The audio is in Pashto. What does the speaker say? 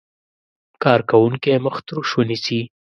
کارکوونکی مخ تروش ونیسي.